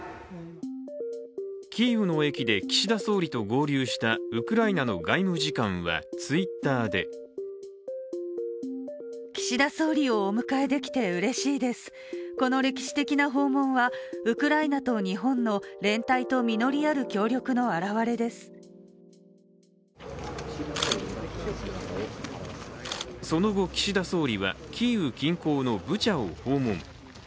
キーウの駅で岸田総理と合流したウクライナの外務次官はＴｗｉｔｔｅｒでその後、岸田総理はキーウ近郊のブチャを訪問。